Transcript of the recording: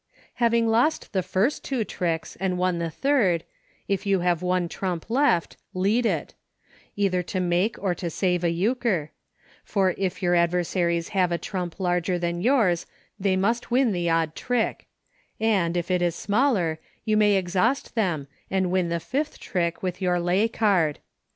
8 130 EUCHRE. Having lost the first two tricks a ad won the third, if you have one trump left, lead it — either to make or to save a Euchre — for if your adversaries have a trump larger than yours they must win the odd trick ; and, if it is smaller, you may exhaust them and win the fifth trick with your lay card.